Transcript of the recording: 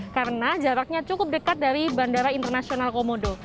karena jaraknya cukup dekat dari bandara internasional komodo